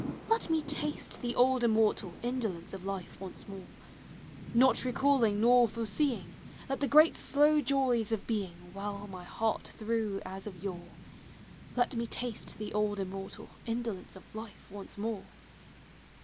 Let me taste the old immortal' Indolence of life once more; Not recalling nor foreseeing, I^et the great slow joys of being Well my heart through as of yore! Let me taste the old immortal Indolence of life once more!